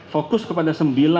fokus kepada sembilan